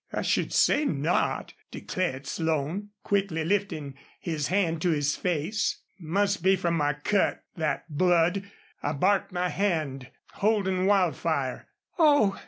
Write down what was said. "I should say not," declared Slone, quickly lifting his hand to his face. "Must be from my cut, that blood. I barked my hand holdin' Wildfire." "Oh!